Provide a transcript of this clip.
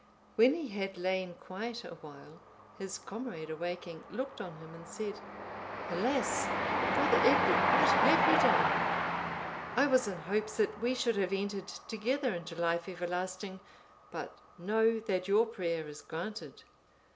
When he had lain quiet awhile, his comrade awaking, looked on him, and said, "Alas! Brother Egbert, what have you done? I was in hopes that we should have entered together into life everlasting; but know that your prayer is granted."